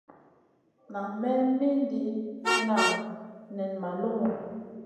Nan me mindi hinanŋu nen ma lumu.